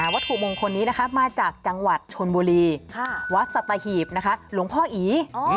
วัตถุมงคลนี้มาจากจังหวัดชนบุรีวัดสัตหีบหลวงพ่ออี